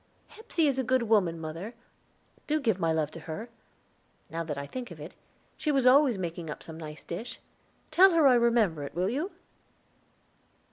"Hepsey is a good woman, mother; do give my love to her. Now that I think of it, she was always making up some nice dish; tell her I remember it, will you?"